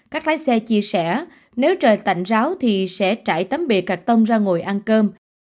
các lái xe chia sẻ nếu trời tạnh ráo thì sẽ trải tấm bè gạt tông ra ngồi ăn cơm